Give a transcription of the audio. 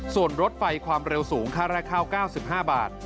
ส่วนรถไฟความเร็วสูงค่าแรกข้าว๙๕บาท